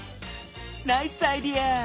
ナイスアイデア！